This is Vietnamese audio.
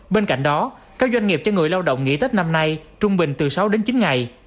bên cạnh đó các doanh nghiệp cho người lao động nghỉ tết năm nay trung bình từ sáu đến chín ngày